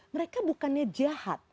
mereka bukannya jahat